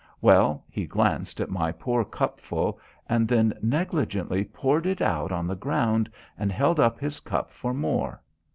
Well, he glanced at my poor cupful and then negligently poured it out on the ground and held up his cup for more.